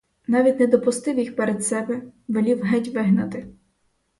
Навіть не допустив їх перед себе, велів геть вигнати.